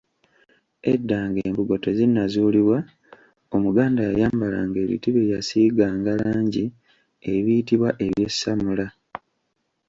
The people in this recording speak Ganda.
Edda ng'embugo tezinnazuulibwa Omuganda yayambalanga ebiti bye baasiiganga langi ebiyitibwa ebyessamula.